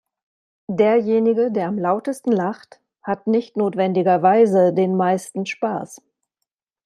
Derjenige, der am lautesten lacht, hat nicht notwendigerweise den meisten Spaß.